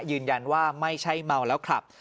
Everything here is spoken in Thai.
ยืนยันว่าไม่ใช่เมาแล้วขับ